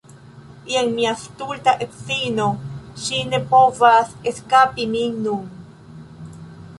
Jen mia stulta edzino ŝi ne povas eskapi min nun